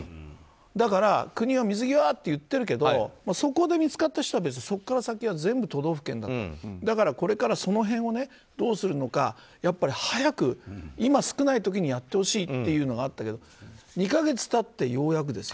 だから、国は水際って言ってるけどそこで、見つかった人はそこから先は全部都道府県だからこれからその辺をどうするのかやっぱり早く今、少ない時にやってほしいというのがあったけど２か月経ってようやくですよ。